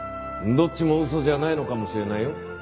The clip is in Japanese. どっちも嘘じゃないのかもしれないよ。